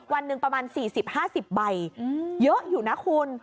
วันหนึ่งประมาณ๔๐๕๐ใบเยอะอยู่นะคุณ